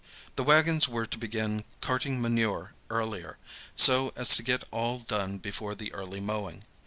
The wagons were to begin carting manure earlier, so as to get all done before the early mowing.